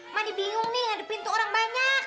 mak dia bingung nih nggak ada pintu orang banyak